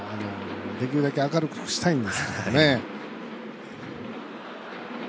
できるだけ明るくしたいんですけどね。